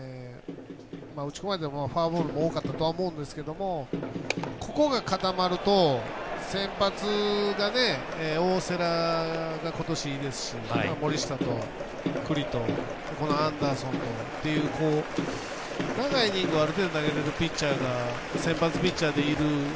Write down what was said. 打ち込まれて、フォアボールも多かったとは思うんですけどもここが固まると、先発が大瀬良がことしいいですし森下と九里とアンダーソンとという長いイニングをある程度投げられるピッチャーが先発ピッチャーでいる。